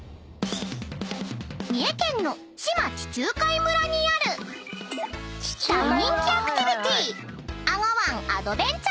［三重県の志摩地中海村にある大人気アクティビティ］